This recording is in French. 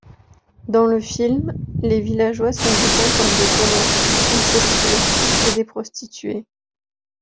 Dans le film, les villageois sont dépeints comme des voleurs, incestueux, et des prostituées.